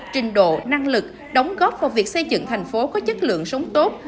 trình độ năng lực đóng góp vào việc xây dựng thành phố có chất lượng sống tốt